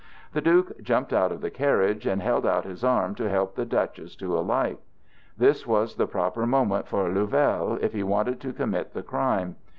The Duke jumped out of the carriage, and held out his arm to help the Duchess to alight. This was the proper moment for Louvel, if he wanted to commit the crime.